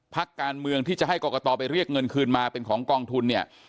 พักการเมืองที่จะให้กรกตไปเรียกเงินคืนมาเป็นของกองทุนเนี่ย